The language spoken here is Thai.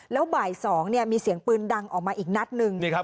แล้วบ่ายสองเนี่ยมีเสียงปืนดังออกมาอีกนัดหนึ่งนี่ครับ